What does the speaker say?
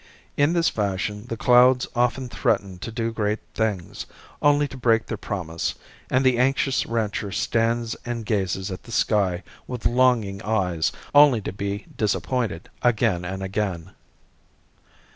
In this fashion the clouds often threaten to do great things, only to break their promise; and the anxious rancher stands and gazes at the sky with longing eyes, only to be disappointed again and again.